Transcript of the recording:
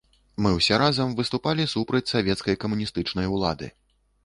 Мы ўсе разам выступалі супраць савецкай камуністычнай улады.